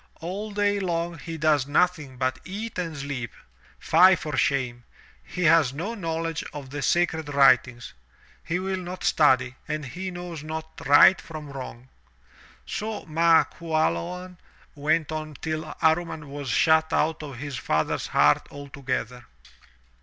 All day long he does nothing but eat and sleep. Fie for shame! He has no knowledge of the sacred writings. He will not study and he knows not right from wrong!" So Ma Qualoan went on till Amman was shut out of his father's heart altogether.